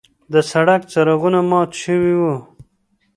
د سړک څراغونه مات شوي وو.